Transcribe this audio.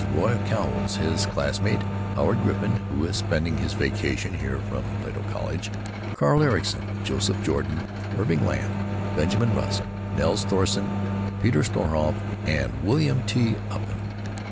Ray Cowles, his classmate Howard Griffin, who is spending his vacation here from Plato College, Carl Ericson, Joseph Jordan, Irving Lamb, Benjamin Rusk, Nels Thorsten, Peter Schoenhof, and William T. Upham.